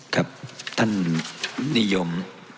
ครับท่านนิยม